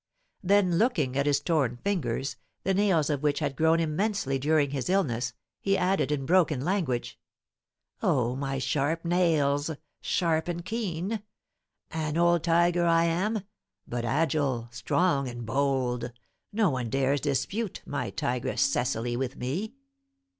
Then looking at his torn fingers, the nails of which had grown immensely during his illness, he added, in broken language, "Oh, my sharp nails sharp and keen! An old tiger I am, but agile, strong, and bold; no one dares dispute my tigress Cecily with me.